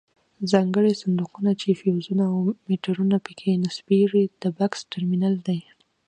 ځانګړي صندوقونه چې فیوزونه او میټرونه پکې نصبیږي د بکس ټرمینل دی.